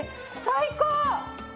最高！